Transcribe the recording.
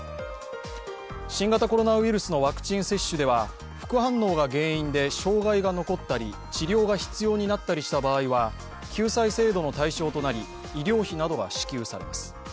新型コロナウイルスのワクチン接種では副反応が原因で障害が残ったり治療が必要になったりした場合は救済制度の対象となり医療費などが支給されます。